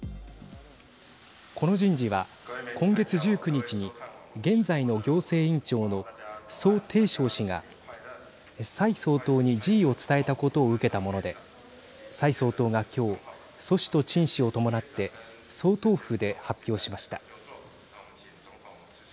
この人事は今月１９日に現在の行政院長の蘇貞昌氏が蔡総統に辞意を伝えたことを受けたもので蔡総統が今日蘇氏と陳氏を伴って総統府で発表しました。